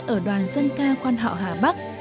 ở đoàn dân cao quan hậu hà bắc